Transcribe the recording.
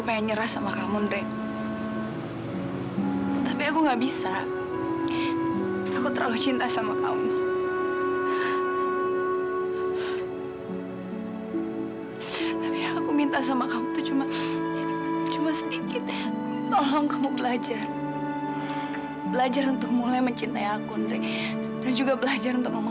maaf saya terpaksa mengganggu kegiatan kamu